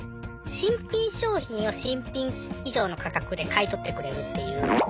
新品商品を新品以上の価格で買い取ってくれるっていう。